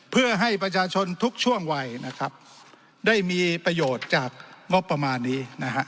เพื่อให้ประชาชนทุกช่วงวัยนะครับได้มีประโยชน์จากงบประมาณนี้นะฮะ